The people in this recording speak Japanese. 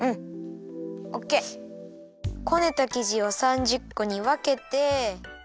こねたきじを３０こにわけて。